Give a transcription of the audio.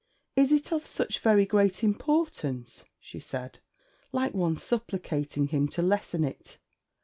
'Is it of such very great importance?' she said, like one supplicating him to lessen it.